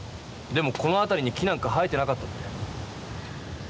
でもこのあたりに木なんか生えてなかったって。